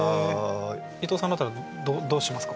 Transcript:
伊藤さんだったらどうしますか？